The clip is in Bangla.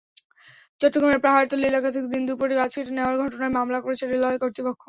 চট্টগ্রামের পাহাড়তলী এলাকা থেকে দিনদুপুরে গাছ কেটে নেওয়ার ঘটনায় মামলা করেছে রেলওয়ে কর্তৃপক্ষ।